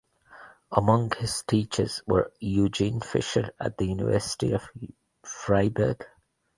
Among his teachers were Eugen Fischer at the University of Freiburg.